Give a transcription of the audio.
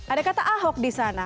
ada kata ahok di sana